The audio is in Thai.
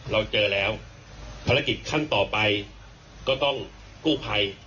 เราเจอแล้วภารกิจขั้นต่อไปก็ต้องกู้ภัย